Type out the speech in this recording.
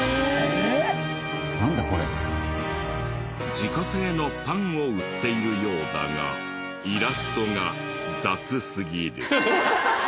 自家製のパンを売っているようだがイラストが雑すぎる。